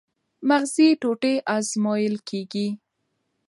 مغزي ټوټې ازمویل کېږي.